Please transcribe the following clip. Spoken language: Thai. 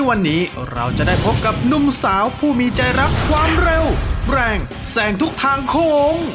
วันนี้เราจะได้พบกับหนุ่มสาวผู้มีใจรักความเร็วแรงแสงทุกทางโค้ง